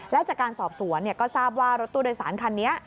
แล้วจากการสอบสวนก็ทราบว่ารถตู้โดยสารคันนี้